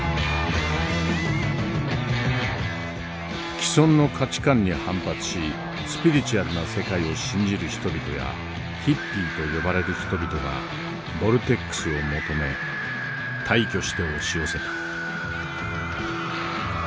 既存の価値観に反発しスピリチュアルな世界を信じる人々やヒッピーと呼ばれる人々がボルテックスを求め大挙して押し寄せた。